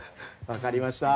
分かりました。